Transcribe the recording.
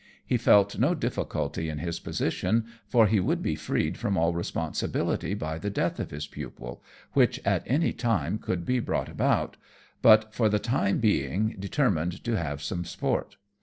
He felt no difficulty in his position, for he would be freed from all responsibility by the death of his pupil, which, at any time, could be brought about, but for the time being determined to have some sport.